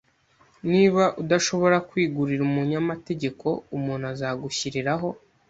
Niba udashobora kwigurira umunyamategeko, umuntu azagushyiriraho